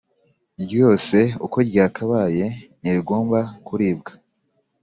ryose uko ryakabaye Ntirigomba kuribwa